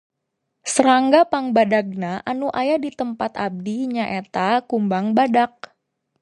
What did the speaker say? Serangga pangbadagna anu aya di tempat abdi nyaeta kumbang badak.